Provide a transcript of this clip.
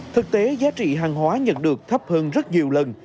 thực tế giá trị hàng hóa nhận được thấp hơn rất nhiều lần